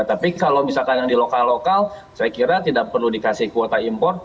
tapi kalau misalkan yang di lokal lokal saya kira tidak perlu dikasih kuota impor